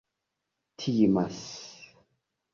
timas